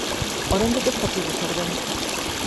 Oraindik ez dakigu zer den.